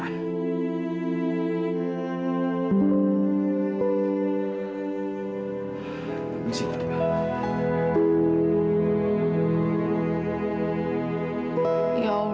tapi dengan cinta dan kesetiaan